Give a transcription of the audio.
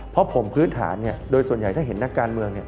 เพราะผมพื้นฐานเนี่ยโดยส่วนใหญ่ถ้าเห็นนักการเมืองเนี่ย